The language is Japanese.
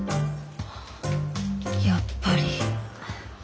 やっぱり。